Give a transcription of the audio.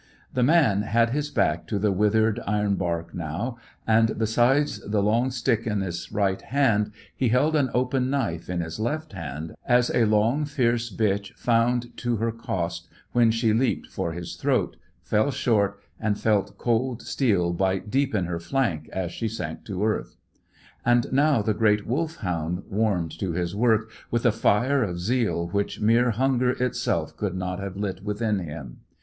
The man had his back to the withered iron bark now, and, besides the long stick in his right hand, he held an open knife in his left hand, as a long, fierce bitch found to her cost when she leaped for his throat, fell short, and felt cold steel bite deep in her flank as she sank to earth. And now the great Wolfhound warmed to his work, with a fire of zeal which mere hunger itself could not have lit within him.